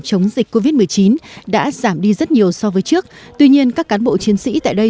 chống dịch covid một mươi chín đã giảm đi rất nhiều so với trước tuy nhiên các cán bộ chiến sĩ tại đây